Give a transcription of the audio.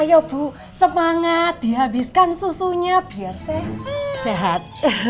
ayo bu semangat dihabiskan susunya biar sehat sehat